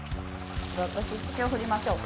私塩振りましょうか。